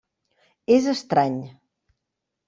És estrany.